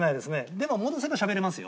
でも戻せばしゃべれますよ。